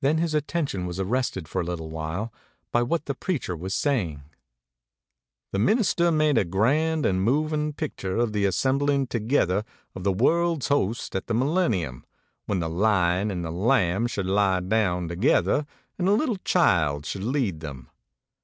Then his attention was arrested, for a little while, by what the preacher was saying: The minister made a grand and moving picture of the assembling together of the world ;it the millennium, when the lion and the lamb should lie down together and :i little child should lead them.